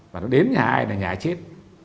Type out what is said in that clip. và nó đến nhà ai là nhà chết